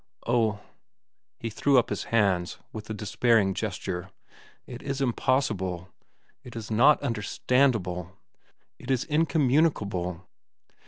Oh!—" he threw up his hands with a despairing gesture—"it is impossible! It is not understandable! It is incommunicable!"